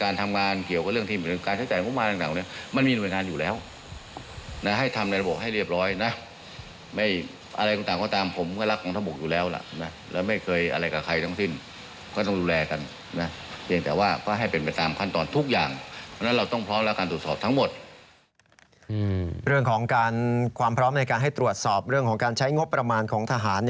เรื่องของการความพร้อมในการให้ตรวจสอบเรื่องของการใช้งบประมาณของทหาร